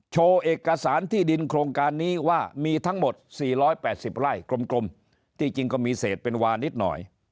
โชว์เอกสารที่ดินโครงการนี้ว่ามีทั้งหมด๔๘๐ไร่กลมที่จริงก็มีเศษเป็นวานิดหน่อย